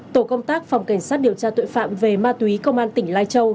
tổ công tác phòng cảnh sát điều tra tội phạm về ma túy công an tỉnh lai châu